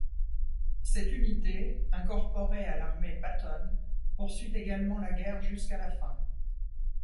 Cette unité, incorporée à l'Armée Patton, poursuit également la guerre jusqu'à la fin.